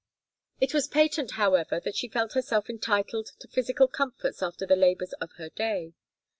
It was patent, however, that she felt herself entitled to physical comforts after the labors of her day.